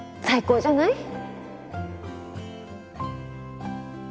最高じゃない？